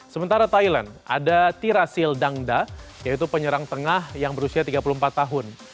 sementara thailand ada tirasil dangda yaitu penyerang tengah yang berusia tiga puluh empat tahun